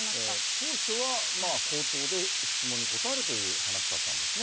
当初は口頭で質問に答えるという話だったんですね。